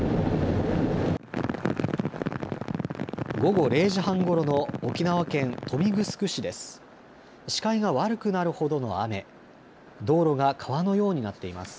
午後０時半ごろの沖縄県豊見城市です。